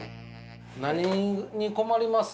何に困ります？